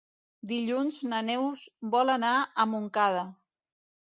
Dilluns na Neus vol anar a Montcada.